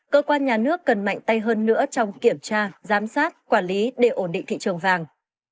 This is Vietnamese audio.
cơ quan nhà nước cần mạnh tay hơn nữa trong kiểm tra giám sát quản lý để ổn định thị trường vàng